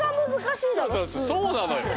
そうなのよ。